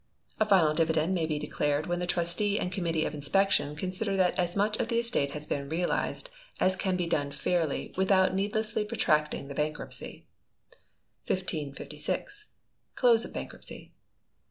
A final dividend may be declared when the Trustee and committee of inspection consider that as much of the estate has been realised as can be done fairly without needlessly protracting the bankruptcy. 1556. Close of Bankruptcy.